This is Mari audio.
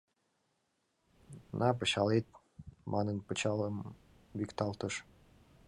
— На, пычалет! — манын, пычалем викталтыш.